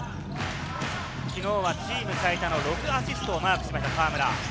昨日はチーム最多の６アシストをマークしました河村。